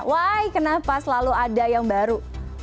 wah kenapa selalu ada yang baru